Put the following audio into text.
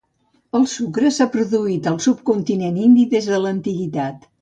El sucre s'ha produït al subcontinent indi des de l'antiguitat.